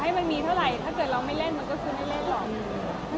ต่อให้มันมีเท่าไหร่ถ้าเราไม่เล่นมันก็ไม่เล่นหรอก